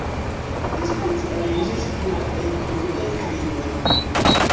Li specialiĝis pri la plej krudaj krimoj.